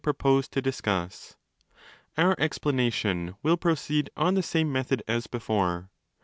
proposed to discuss. Our explanation will proceed on the same method as before.